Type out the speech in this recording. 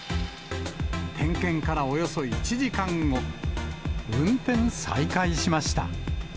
点検からおよそ１時間後、運転再開しました。